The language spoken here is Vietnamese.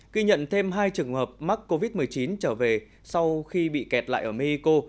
ghi nhận thêm hai trường hợp mắc covid một mươi chín trở về sau khi bị kẹt lại ở mexico